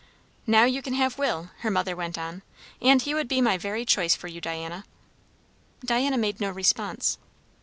"Now you can have Will," her mother went on; "and he would be my very choice for you, Diana." Diana made no response.